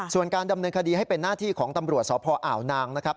ส่วนการดำเนินคดีให้เป็นหน้าที่ของตำรวจสพอ่าวนางนะครับ